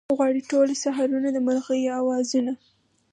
غواړي ټوله سحرونه د مرغیو اوازونه